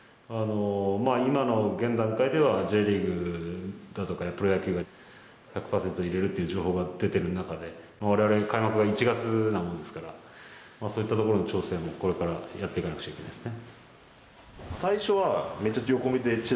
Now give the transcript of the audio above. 今の現段階ではＪリーグやプロ野球が１００％入れるという情報が出てる中で我々開幕が１月なもんですからそういったところの調整もこれからやっていかなくちゃいけないですね。